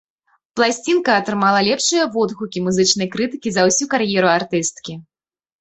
Пласцінка атрымала лепшыя водгукі музычнай крытыкі за ўсю кар'еру артысткі.